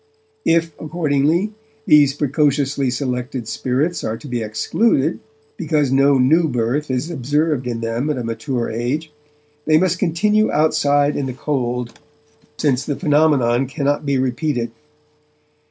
If, accordingly, these precociously selected spirits are to be excluded because no new birth is observed in them at a mature age, they must continue outside in the cold, since the phenomenon cannot be repeated.